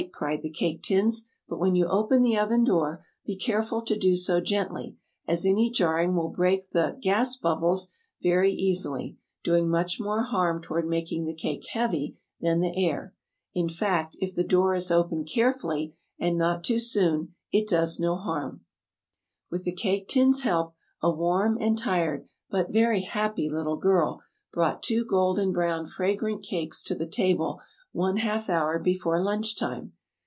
cried the Cake Tins; "but when you open the oven door, be careful to do so gently, as any jarring will break the 'gas bubbles' very easily, doing much more harm toward making the cake heavy than the air; in fact, if the door is opened carefully, and not too soon, it does no harm." With the Cake Tins' help, a warm and tired, but very happy little girl brought two golden brown fragrant cakes to the table one half hour before lunch time.